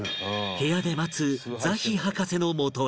部屋で待つザヒ博士のもとへ